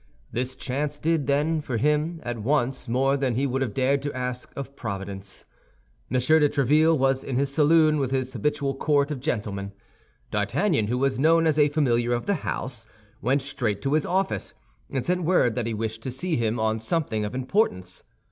This chance did, then, for him at once more than he would have dared to ask of Providence. M. de Tréville was in his saloon with his habitual court of gentlemen. D'Artagnan, who was known as a familiar of the house, went straight to his office, and sent word that he wished to see him on something of importance.